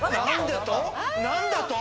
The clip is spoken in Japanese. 何だと！